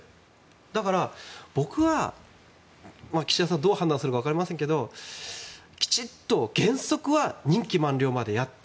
だから僕は、岸田さんがどう判断するか分かりませんけどきちっと原則は任期満了までやって。